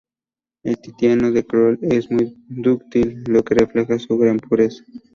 El titanio de Kroll es muy dúctil lo que refleja su gran pureza.